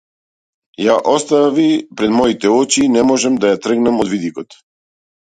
Ја остави пред моите очи и не можам да ја тргнам од видикот.